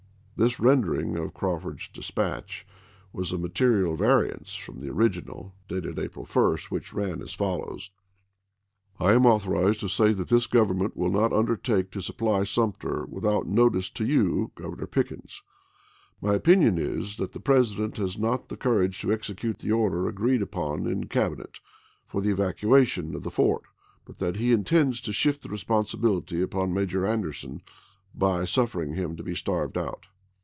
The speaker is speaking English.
This rendering of Crawford's dispatch was a material variance from the original, dated April 1, which ran as follows: I am authorized to say that this Government will not undertake to supply Sumter without notice to you [Gov ernor Pickens]. My opinion is that the President has not the courage to execute the order agreed upon in Cab inet for the evacuation of the fort, but that he intends to shift the responsibility upon Major Anderson, by suffer ing him to be starved out.